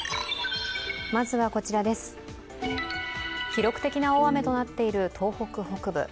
記録的な大雨となっている東北北部。